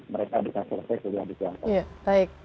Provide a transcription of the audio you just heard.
mereka bisa selesaikan